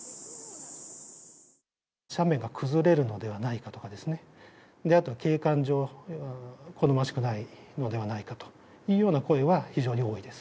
斜面が崩れるのではないかですとか、あとは景観上、好ましくないのではないかというような声